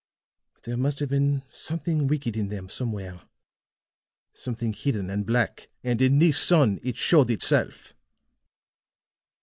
But there must have been something wicked in them somewhere, something hidden and black, and in this son it showed itself."